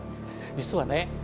実はね